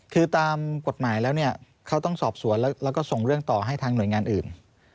คือตามกฎหมายแล้วเนี่ยเขาต้องสอบสวนแล้วก็ส่งเรื่องต่อให้ทางหน่วยงานอื่น